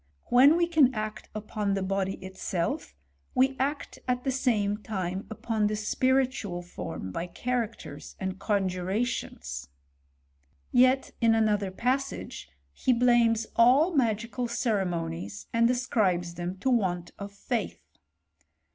When we can act upon the body itself, we act at the same time upon the spiritual form by characters and conjurations.* Yet, in another passage, he blames all magical ceremonies, and as cribes them to want of faith.